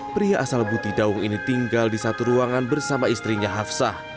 pria asal buti daung ini tinggal di satu ruangan bersama istrinya hafsah